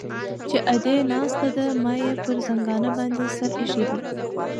چې ادې ناسته ده ما يې پر زنګانه باندې سر ايښى دى.